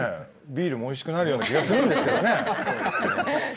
ビールもおいしくなるような気がするんですよね。